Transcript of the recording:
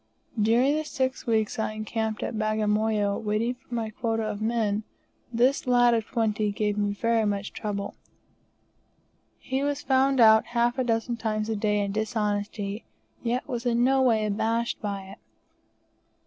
During the six weeks I encamped at Bagamoyo, waiting for my quota of men, this lad of twenty gave me very much trouble. He was found out half a dozen times a day in dishonesty, yet was in no way abashed by it.